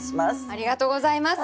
ありがとうございます。